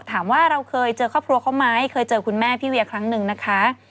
เราเคยเจอครอบครัวเขาไหมเคยเจอคุณแม่พี่เวียครั้งหนึ่งนะคะ